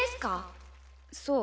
そう。